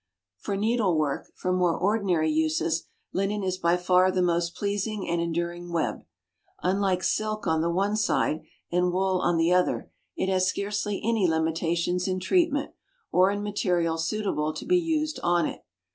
For needlework for more ordinary uses, linen is by far the most pleasing and enduring web. Unlike silk on the one side, and wool on the other, it has scarcely any limitations in treatment, or in material suitable to be used on it.